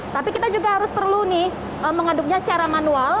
tapi kita juga harus perlu nih mengaduknya secara manual